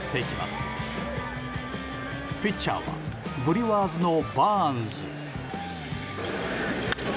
ピッチャーはブルワーズのバーンズ。